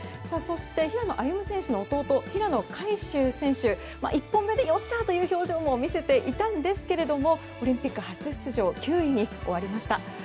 そして、平野歩夢選手の弟平野海祝選手、１本目でよっしゃーという表情も見せていたんですけれどもオリンピック初出場９位に終わりました。